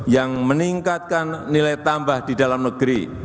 yang meningkatkan nilai tambah di dalam negeri